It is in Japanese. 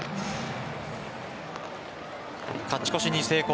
勝ち越しに成功。